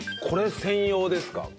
これ専用ですか？